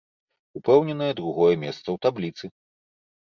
Упэўненае другое месца ў табліцы.